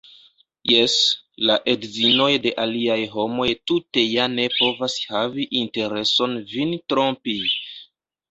Jes, la edzinoj de aliaj homoj tute ja ne povas havi intereson vin trompi!